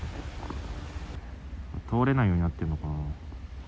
通れないようになっているのか。